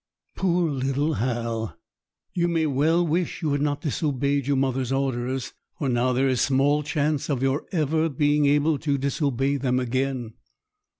Poor little Hal! you may well wish you had not disobeyed your mother's orders, for now there is small chance of your ever being able to disobey them again.